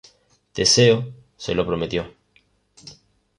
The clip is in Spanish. Teseo se lo prometió.